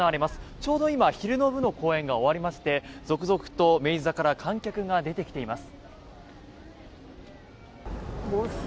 ちょうど今、昼の部の公演が終わりまして続々と明治座から観客が出てきています。